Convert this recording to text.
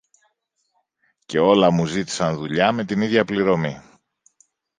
και όλα μου ζήτησαν δουλειά με την ίδια πληρωμή.